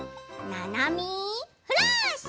「ななみフラッシュ」！